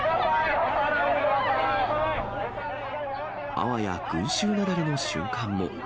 あわや群衆雪崩の瞬間も。